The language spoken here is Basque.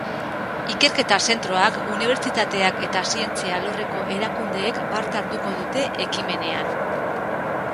Ikerketa zentroak, unibertsitateak eta zientzia alorreko erakundeek parte hartuko dute ekimenean.